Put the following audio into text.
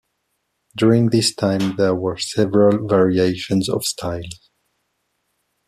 During this time there were several variations of styles.